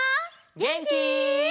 げんき？